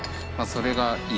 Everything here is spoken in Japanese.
それが。